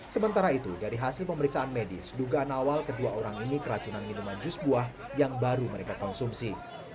sementara itu dari hasil pemeriksaan medis dugaan awal kedua orang ini keracunan minuman jus buah yang baru mereka konsumsi